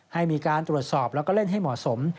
ให้มีการตรวจสอบแล้วก็เล่นให้เหมาะสม